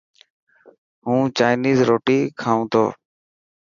هون چائنيز روٽي کائون تو.